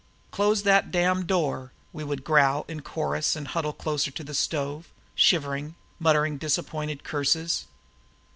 "Close that damned door!" we would growl in chorus and huddle closer to the stove, shivering, muttering disappointed curses.